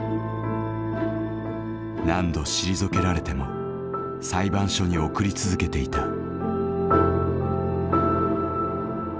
何度退けられても裁判所に送り続けていた。